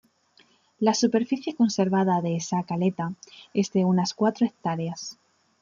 La superficie conservada de Sa Caleta es de unas cuatro hectáreas.